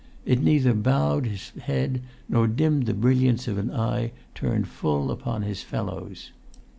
It neither bowed his head nor dimmed the brilliance of an eye turned full upon his fellows.